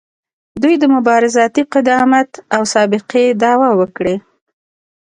دوی د مبارزاتي قدامت او سابقې دعوه وکړي.